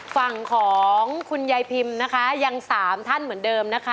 ฝั่งของคุณยายพิมพ์นะคะยัง๓ท่านเหมือนเดิมนะคะ